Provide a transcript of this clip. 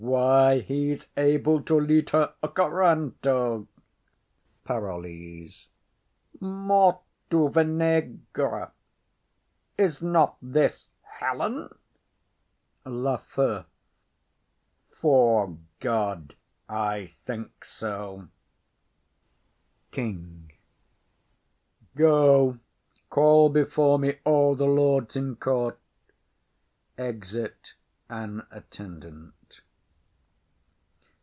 Why, he's able to lead her a coranto. PAROLLES. Mor du vinager! is not this Helen? LAFEW. Fore God, I think so. KING. Go, call before me all the lords in court. [_Exit an Attendant.